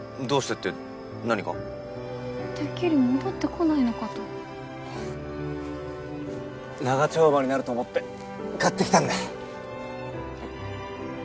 てっきり戻ってこないのかと長丁場になると思って買ってきたんだ。